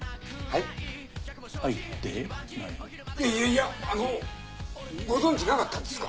いやいやいやあのご存じなかったんですか？